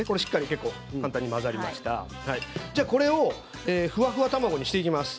これをふわふわ卵にしていきます。